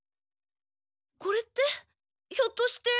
これってひょっとして。